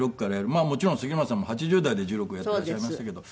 まあもちろん杉村さんも８０代で１６をやっていらっしゃいましたけど。